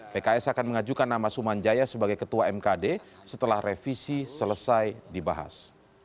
pks akan mengajukan nama sumanjaya sebagai ketua mkd setelah revisi selesai dibahas